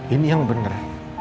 ini yang benar